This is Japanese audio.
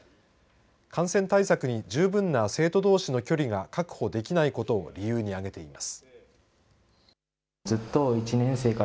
感染対策に十分な生徒同士の距離が確保できないことを理由に挙げています。